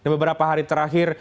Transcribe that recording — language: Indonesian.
beberapa hari terakhir